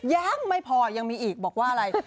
ยังไม่พอยังมีอีกบอกว่าอะไร